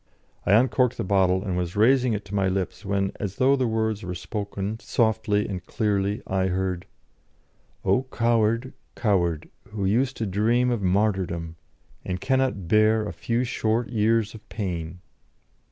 I uncorked the bottle, and was raising it to my lips, when, as though the words were spoken softly and clearly, I heard: "O coward, coward, who used to dream of martyrdom, and cannot bear a few short years of pain!"